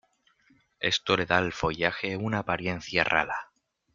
Esto le da al follaje una apariencia rala.